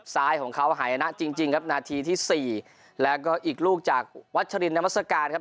ซ้ายของเขาหายนะจริงจริงครับนาทีที่สี่แล้วก็อีกลูกจากวัชรินนามัศกาลครับ